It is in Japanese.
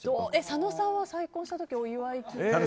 佐野さんは再婚した時お祝い金は。